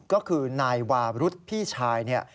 ก็คือนายวารุธพี่ชาย